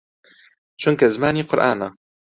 چونکە زمانی قورئانە